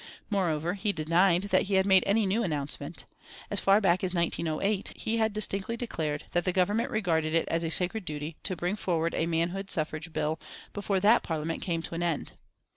Moreover, he denied that he had made any new announcement. As far back as 1908 he had distinctly declared that the Government regarded it as a sacred duty to bring forward a manhood suffrage bill before that Parliament came to an end.